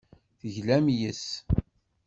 Teglam yes-s.